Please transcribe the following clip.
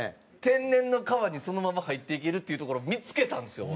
天然の川にそのまま入っていけるっていう所を見付けたんですよ。